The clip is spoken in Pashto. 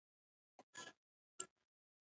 د تېرې زمانې پند او خوند کیسې راته کوي.